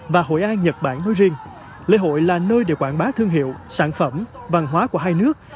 và hội an nhật bản nói riêng lễ hội là nơi để quảng bá thương hiệu sản phẩm văn hóa của hai nước